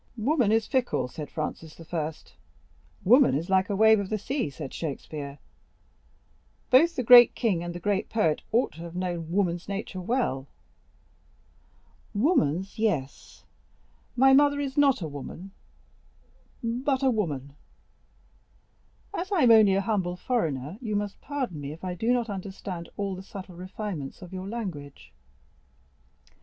"'Woman is fickle.' said Francis I.; 'woman is like a wave of the sea,' said Shakespeare; both the great king and the great poet ought to have known woman's nature well." "Woman's, yes; my mother is not woman, but a woman." "As I am only a humble foreigner, you must pardon me if I do not understand all the subtle refinements of your language."